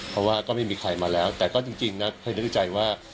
เพราะว่าก็ไม่มีใครมาแล้วแต่ก็จริงนะเคยนึกในใจว่า